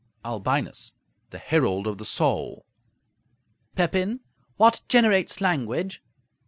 Albinus The herald of the soul. Pepin What generates language?